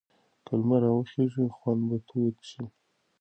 که لمر راوخېژي خونه به توده شي.